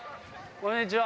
こんにちは。